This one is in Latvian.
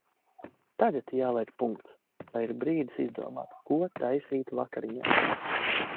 Tagad jāliek punkts, lai ir brīdis izdomāt, ko taisīt vakariņās.